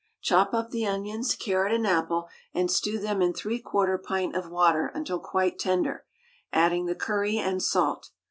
Chop up the onions, carrot, and apple, and stew them in 3/4 pint of water until quite tender, adding the curry and salt.